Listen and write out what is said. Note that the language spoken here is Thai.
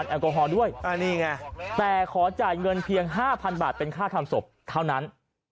แต่ขอจ่ายเงินเพียง๕๐๐๐บาทเป็นค่าทำศพเท่านั้น